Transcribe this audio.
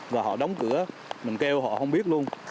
và họ đóng cửa mình kêu họ không biết luôn